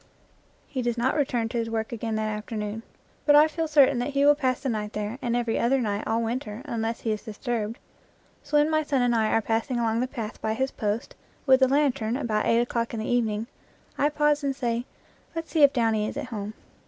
He does not return to his work again that after noon. But I feel certain that he will pass the night there and every night all winter unless he is dis turbed. So when my son and I are passing along the path by his post with a lantern about eight o'clock in the evening, I pause and say, "Let's see if Downy is at home."